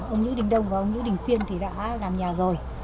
ông nhữ đình đông và ông nhữ đình phiên thì đã làm nhà rồi